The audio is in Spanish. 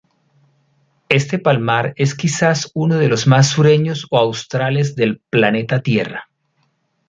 Este palmar es quizás uno de los más sureños o australes del planeta Tierra.